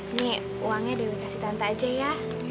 ini uangnya dewi kasih tante aja ya